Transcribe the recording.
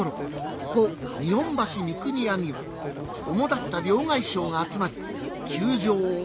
ここ日本橋三国屋には主だった両替商が集まり窮状を訴えておりました